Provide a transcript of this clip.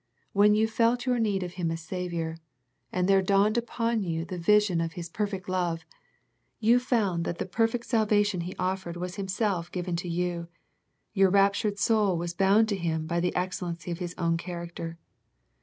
When you felt your need of Him as Saviour, and there dawned upon you the vision of His per fect love, and you found that the perfect sal The Ephesus Letter 43 vation He offered was Himself given to you, your raptured soul was bound to Him by the excellency of His own character.